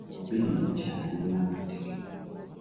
Bombiriri bakyali balamu tteke.